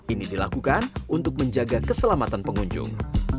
ini dilakukan untuk menjaga keselamatan pengunjung